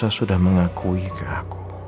saya sudah mengakui ke aku